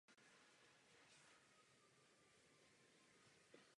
Jejím zásadním aspektem je sdílení.